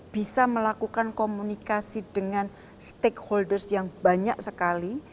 bisa melakukan komunikasi dengan stakeholders yang banyak sekali